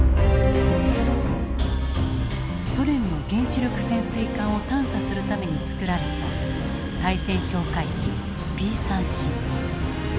ソ連の原子力潜水艦を探査するために作られた対潜哨戒機Ｐ３Ｃ。